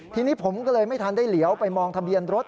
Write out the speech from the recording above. ทีนี้ผมก็เลยไม่ทันได้เหลียวไปมองทะเบียนรถ